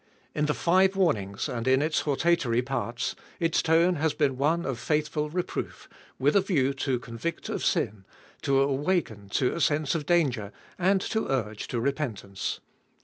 In the five warnings, and in its hortatory parts, its tone has been one of faithful 550 ZTbe Iboltest of 2UI reproof, with a view to convict of sin, to awaken to a sense of danger, and to urge to repentance.